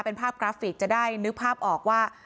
เป็นภาพกราฟิกจะได้นึกภาพออกว่า